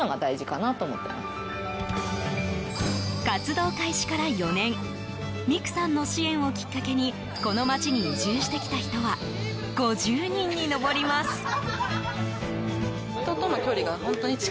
活動開始から４年未来さんの支援をきっかけにこの町に移住してきた人は５０人に上ります。